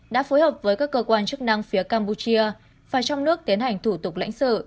đã phối hợp với các cơ quan chức năng phía campuchia và trong nước tiến hành thủ tục lãnh sự